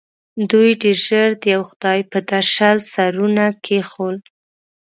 دوی ډېر ژر د یوه خدای پر درشل سرونه کېښول.